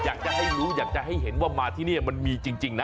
อยากจะให้รู้อยากจะให้เห็นว่ามาที่นี่มันมีจริงนะ